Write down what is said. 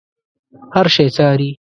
هر شی څاري.